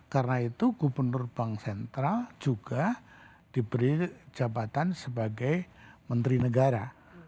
karena itu gubernur bank sentral juga diberi jabatan sebagai menteri negara